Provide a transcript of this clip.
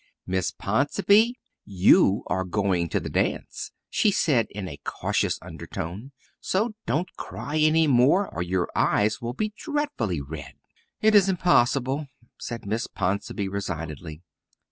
"Miss Ponsonby, you are going to the dance," she said in a cautious undertone, "so don't cry any more or your eyes will be dreadfully red." "It is impossible," said Miss Ponsonby resignedly.